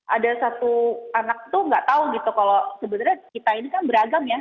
ada satu anak itu nggak tahu gitu kalau sebenarnya kita ini kan beragam ya